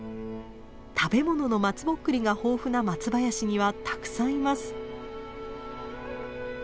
食べ物のマツボックリが豊富な松林にはたくさんいます。